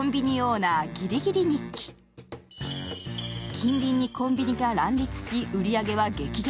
近隣にコンビニが乱立し売り上げは激減。